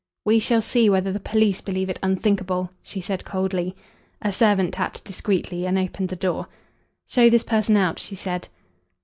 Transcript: "We shall see whether the police believe it unthinkable," she said coldly. A servant tapped discreetly and opened the door. "Show this person out," she said.